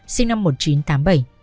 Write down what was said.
sinh năm một nghìn chín trăm tám mươi bảy